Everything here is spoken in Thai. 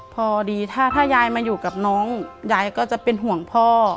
พอดีถ้ายายมาอยู่กับน้องยายก็จะเป็นห่วงพ่อ